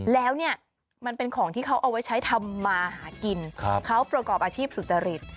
แล้วเนี่ยมันเป็นของที่เขาเอาไว้ใช้ทำมาหากินเขาประกอบอาชีพสุจริต